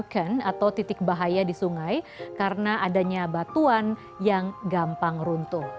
tanda stain broken atau titik bahaya di sungai karena adanya batuan yang gampang runtuh